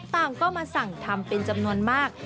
ต่างก็มาสั่งทำเป็นจำนวนมาก